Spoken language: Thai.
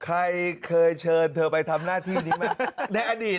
ใครเคยเชิญเธอไปทำหน้าที่นี้ไหม